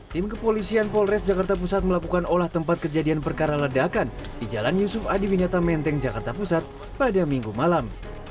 tim kepolisian polres jakarta pusat melakukan olah tempat kejadian perkara ledakan di jalan yusuf adiwinata menteng jakarta pusat pada minggu malam